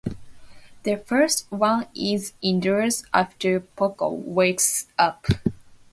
The first one is indoors, after Poko wakes up.